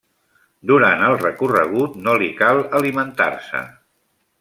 Durant el recorregut no li cal alimentar-se.